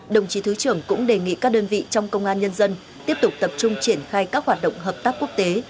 đồng chí thứ trưởng cũng đề nghị các đơn vị trong công an nhân dân tiếp tục tập trung triển khai các hoạt động hợp tác quốc tế